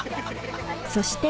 そして